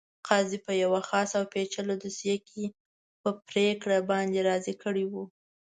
قاضي په یوه خاصه او پېچلې دوسیه کې په پرېکړه باندې راضي کړی وو.